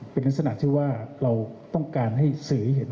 เป็นลักษณะที่ว่าเราต้องการให้สื่อเห็น